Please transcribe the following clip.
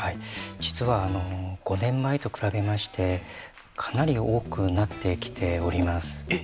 実は５年前と比べましてかなり多くなってきております。えっ？